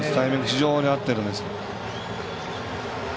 非常に合ってるんですよね。